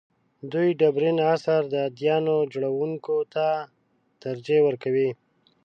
دوی ډبرین عصر د اديانو جوړونکو ته ترجیح ورکوي.